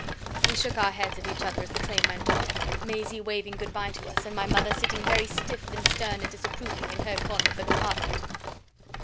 We shook our heads at each other as the train went off, Maisie waving good bye to us, and my mother sitting very stiff and stern and disapproving in her corner of the compartment.